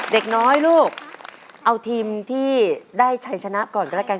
เด็กน้อยลูกเอาทีมที่ได้ชัยชนะก่อนก็แล้วกัน